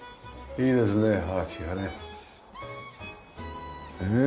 いいですね。